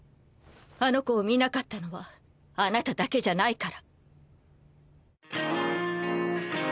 あの子を見なかったのはあなただけじゃないから。